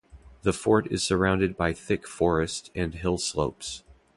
The fort is surrounded by thick forest and hill slopes.